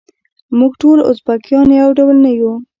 موږ ټول ازبیکان یو ډول نه یوو.